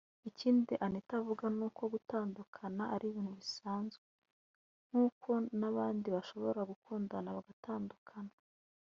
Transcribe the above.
Ikindi Anita avuga n’uko gutandukana ari ibintu bisanzwe nk’uko n’abandi bashobora gukundana bagatandukana